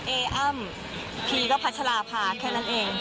เออ้ำพีก็พัชราภาแค่นั้นเอง